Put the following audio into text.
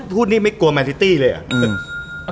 คุณนี้ไม่กลัวแมนทิตตี้เลยอะ